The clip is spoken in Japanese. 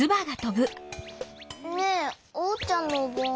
ねえおうちゃんのおぼん。